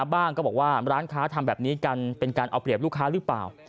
ก็บอกว่าร้านค้าทำแบบนี้กันเป็นการเอาเปรียบลูกค้าหรือเปล่า